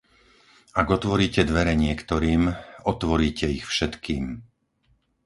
Ak otvoríte dvere niektorým, otvoríte ich všetkým.